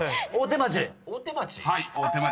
「大手町」